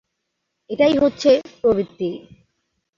এটাই হচ্ছে প্রবৃত্তি।